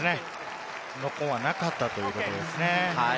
ノックオンはなかったということですね。